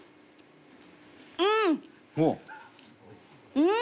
うん！